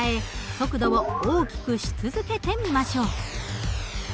速度を大きくし続けてみましょう。